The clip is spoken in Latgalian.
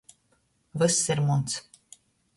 Vyss ir muns.